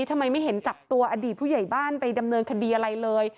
ทำไมไม่เห็นจับตัวอดีตผู้ใหญ่บ้านไปดำเนินคดีอะไรเลย